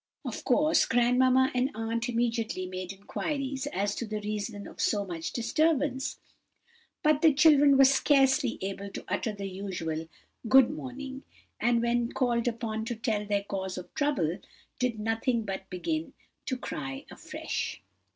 Of course, grandmamma and aunt immediately made inquiries as to the reason of so much disturbance, but the children were scarcely able to utter the usual 'good morning;' and when called upon to tell their cause of trouble, did nothing but begin to cry afresh.